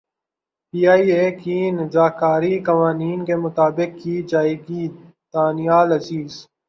P I A کی نجکاری قوانین کے مطابق کی جائے گی دانیال عزیز